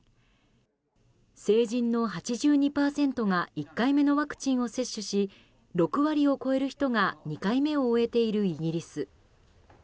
成人の８２％が１回目のワクチンを接種し６割を超える人が２回目を終えているイギリス。